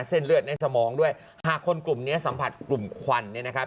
เส้นเลือดในสมองด้วยหากคนกลุ่มเนี้ยสัมผัสกลุ่มควันเนี่ยนะครับ